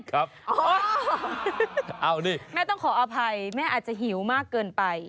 ครับอ๋อเอาดิแม่ต้องขออภัยแม่อาจจะหิวมากเกินไป